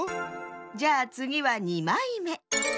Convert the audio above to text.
じゃあつぎは２まいめ！